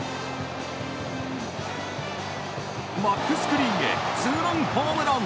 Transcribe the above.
バックスクリーンへツーランホームラン。